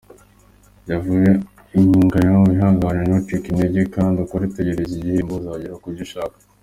Jya uba inyangamugayo, wihangane, ntucike intege kandi ukore udategereje igihembo , uzagera ku cyo ushaka.